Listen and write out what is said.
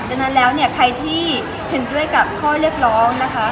ดังนั้นแล้วเนี่ยใครที่เห็นด้วยกับข้อเรียกร้องนะคะ